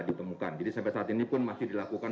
ditemukan jadi sampai saat ini pun masih dilakukan